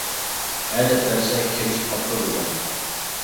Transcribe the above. ھە دەپ بەرسە كىرىشىپ قاپتۇ بۇ بالا.